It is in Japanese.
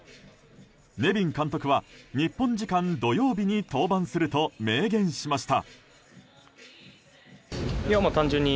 ネビン監督は日本時間土曜日に登板すると明言しました。